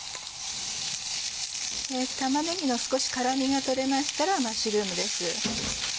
玉ねぎの少し辛みが取れましたらマッシュルームです。